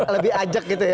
lebih ajak gitu ya